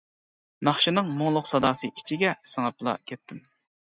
ناخشىنىڭ مۇڭلۇق ساداسى ئىچىگە سىڭىپلا كەتتىم.